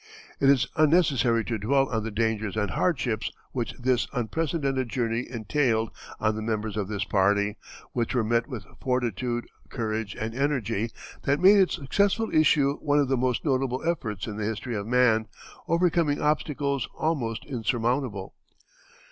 It is unnecessary to dwell on the dangers and hardships which this unprecedented journey entailed on the members of this party, which were met with fortitude, courage, and energy that made its successful issue one of the most notable efforts in the history of man, overcoming obstacles almost insurmountable.